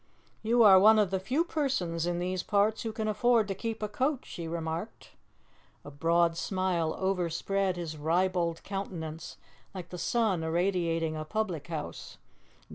"You are one of the few persons in these parts who can afford to keep a coach," she remarked. A broad smile overspread his ribald countenance, like the sun irradiating a public house.